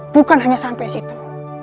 bukan hanya sampai situ